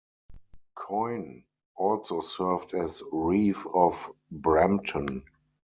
Coyne also served as reeve of Brampton.